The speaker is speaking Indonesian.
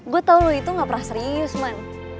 gue tau lu itu gak pernah serius man